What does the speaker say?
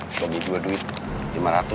kau beli dua duit